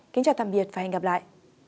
kính chào tạm biệt và hẹn gặp lại